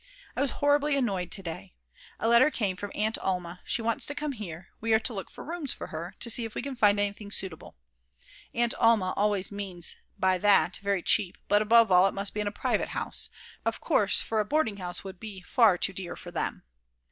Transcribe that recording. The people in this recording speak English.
I was horribly annoyed to day. A letter came from Aunt Alma, she wants to come here, we are to look for rooms for her, to see if we can find anything suitable, Aunt Alma always means by that very cheap, but above all it must be in a private house; of course, for a boarding house would be far too dear for them.